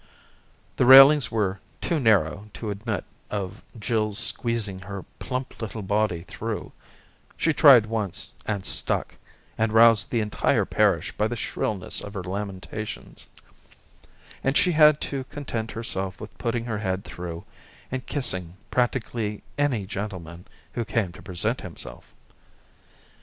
The railings were too narrow to admit of Jill's squeezing her plump little body through (she tried once and stuck, and roused the entire parish by the shrillness of her lamentations) and she had to content herself with putting her head through, and kissing practically any gentleman who came to present himself.